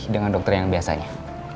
dengan dokter yang biasanya